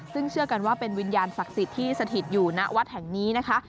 ซึ่งเชื่อกันว่าเป็นวิญญาณศักดิ์สิทธิ์ที่สถิตอยู่ณวัดแห่งนี้นะคะ